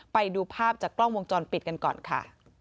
ไปดูภาพจากกล้องวงจรปิดกันก่อนค่ะ